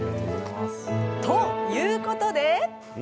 ということで！